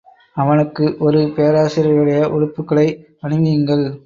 அவனுக்கு ஒரு பேராசிரியருடைய உடுப்புக்களை அணிவியுங்கள்.